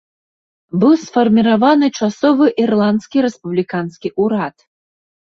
Быў сфарміраваны часовы ірландскі рэспубліканскі ўрад.